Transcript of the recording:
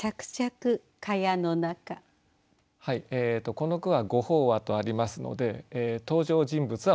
この句は「御法話」とありますので登場人物はお坊さんですね。